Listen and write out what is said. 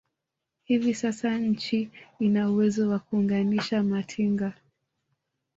Hivi sasa nchi ina uwezo wa kuunganisha matinga